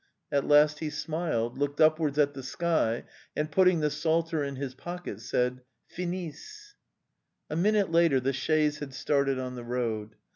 At last he smiled, looked upwards at the sky, and, putting the psalter in his pocket, said: " Finis!" A minute later the chaise had started on the road.